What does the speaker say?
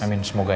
amin semoga ya